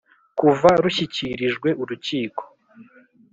kuva rushyikirijwe urukiko.